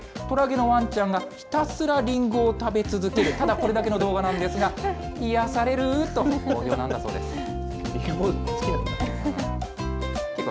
虎毛のわんちゃんが、ひたすらリンゴを食べ続ける、ただこれだけの動画なんですが、癒やされる―！と、好評なんだそうです。